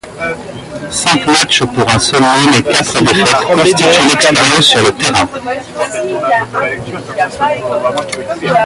Cinq matchs pour un seul nul et quatre défaites constituent l'expérience sur le terrain.